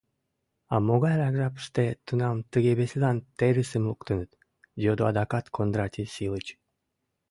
— А могайрак жапыште тунам тыге веселан терысым луктыныт? — йодо адакат Кондратий Силыч.